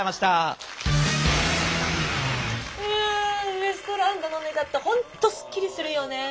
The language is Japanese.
ウエストランドのネタってほんとスッキリするよねえ。